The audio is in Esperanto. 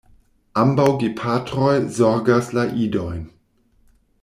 Ambaŭ gepatroj zorgas la idojn.